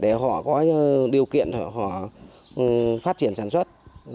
để họ có điều kiện họ phát triển sản xuất